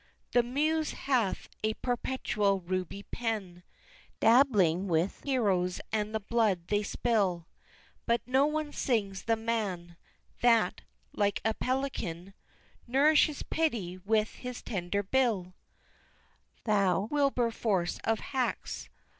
The Muse hath a "Perpetual Ruby Pen!" Dabbling with heroes and the blood they spill; But no one sings the man That, like a pelican, Nourishes Pity with his tender Bill! II. Thou Wilberforce of hacks!